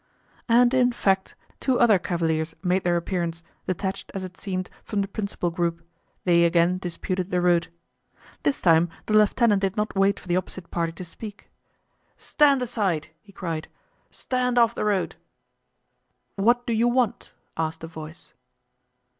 And in fact, two other cavaliers made their appearance, detached, as it seemed, from the principal group; they again disputed the road. This time the lieutenant did not wait for the opposite party to speak. "Stand aside!" he cried; "stand off the road!" "What do you want?" asked a voice.